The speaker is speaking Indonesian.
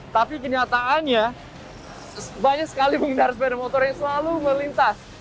tapi kenyataannya banyak sekali pengendara sepeda motor yang selalu melintas